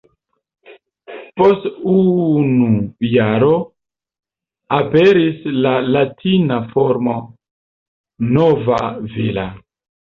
Post unu jaro aperis la latina formo ""Nova Villa"".